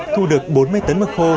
thu được bốn mươi tấn mực khô